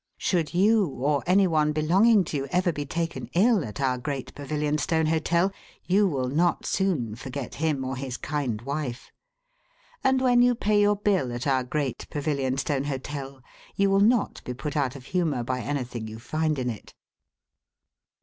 Should you, or any one belonging to you, ever be taken ill at our Great Pavilionstone Hotel, you will not soon forget him or his kind wife. And when you pay your bill at our Great Pavilionstone Hotel, you will not be put out of humour by anything you find in it.